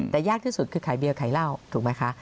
แต่ยากที่สุดคือขายเบียร์ขายเหล้าถูกไหมคะ